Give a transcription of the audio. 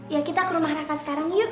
ya kita ke rumah raka sekarang yuk